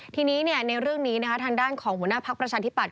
ทีนี้ในเรื่องนี้ทางด้านของหัวหน้าภักดิ์ประชาธิปัต